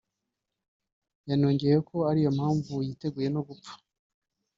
yanongeyeho ko ariyo mpamvu yiteguye no gupfa